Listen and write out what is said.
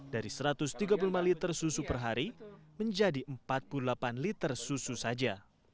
dari satu ratus tiga puluh lima liter susu per hari menjadi empat puluh delapan liter susu saja